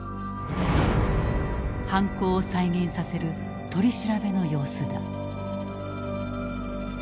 犯行を再現させる取り調べの様子だ。